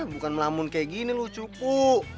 bukan melamun kayak gini lo cupu